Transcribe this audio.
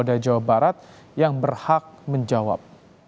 polda jawa barat yang berhak menjawab